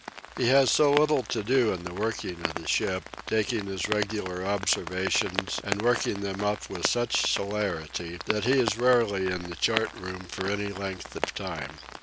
He has so little to do in the working of the ship, taking his regular observations and working them up with such celerity, that he is rarely in the chart room for any length of time.